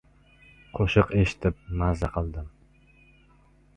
Qo‘shiq eshitib maza qildim.